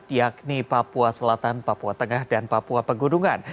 yakni papua selatan papua tengah dan papua pegunungan